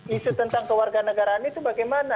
isu tentang kewarganegaraan itu bagaimana